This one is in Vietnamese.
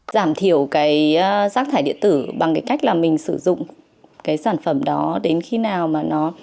giảm thiểu rác thải điện tử bằng cách mình sử dụng sản phẩm đó đến khi nào mà nó